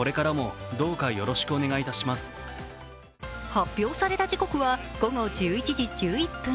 発表された時刻は午後１１時１１分。